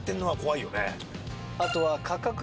あとは。